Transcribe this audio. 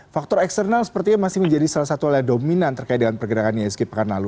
faktor eksternal sepertinya masih menjadi salah satu hal yang dominan terkait dengan pergerakan isg pekan lalu